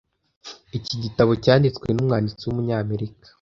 Iki gitabo cyanditswe numwanditsi wumunyamerika.